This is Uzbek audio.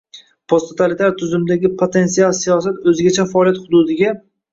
Posttotalitar tuzumdagi potensial siyosat o‘zgacha faoliyat hududiga